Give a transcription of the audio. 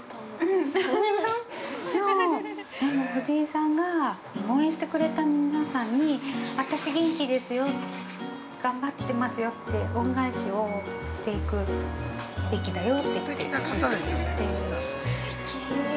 ◆でも藤井さんが、応援してくれた皆さんに私元気ですよ、頑張ってますよって恩返しをしていくべきだよって言ってくれて。